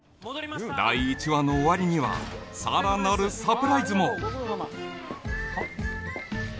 第１話の終わりにはさらなるサプライズもはっ？